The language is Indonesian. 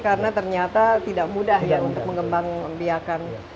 karena ternyata tidak mudah ya untuk mengembang biakan